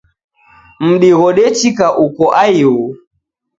Mudi ghodechika ukoighu.